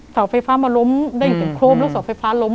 สอบไฟฟ้ามาล้มได้อยู่ที่โครม